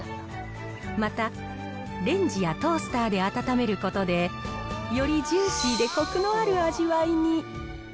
また、レンジやトースターで温めることで、よりジューシーでこくのある味わいに。